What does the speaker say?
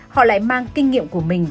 họ lại mang kinh nghiệm của mình